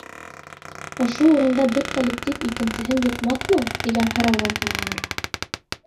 Ошо урында бер коллектив икенсеһен йотмаҫмы, тигән һорау ҙа тыуалыр.